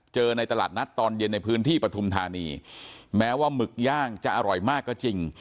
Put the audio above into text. ในตลาดนัดตอนเย็นในพื้นที่ปฐุมธานีแม้ว่าหมึกย่างจะอร่อยมากก็จริง